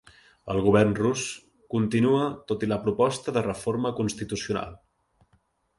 El govern rus continua tot i la proposta de reforma constitucional